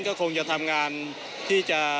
ก็คงจะทำงานที่จะ